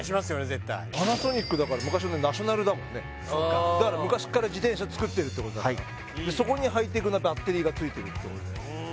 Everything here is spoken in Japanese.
絶対パナソニックだから昔のナショナルだもんねだから昔から自転車作ってるってことだからそこにハイテクなバッテリーが付いてるってことだよ